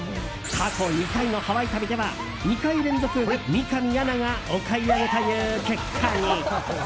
過去２回のハワイ旅では２回連続、三上アナがお買い上げという結果に。